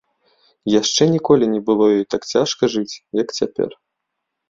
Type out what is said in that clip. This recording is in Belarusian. Яшчэ ніколі не было ёй так цяжка жыць, як цяпер.